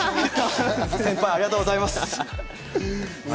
先輩、ありがとうございます。